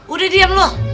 udah diam lo